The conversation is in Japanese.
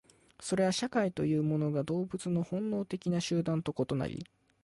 それは社会というものが動物の本能的集団と異なり、